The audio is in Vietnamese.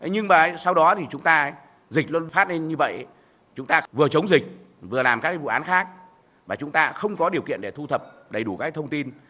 nhưng mà sau đó thì chúng ta dịch luôn phát lên như vậy chúng ta vừa chống dịch vừa làm các vụ án khác và chúng ta không có điều kiện để thu thập đầy đủ các thông tin